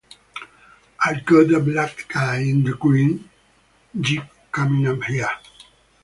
I've got a black guy in a green Jeep coming up here!